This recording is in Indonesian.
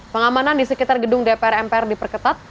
pengamanan di sekitar gedung dpr mpr diperketat